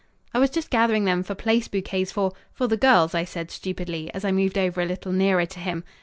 "I was just gathering them for place bouquets for for the girls," I said stupidly as I moved over a little nearer to him.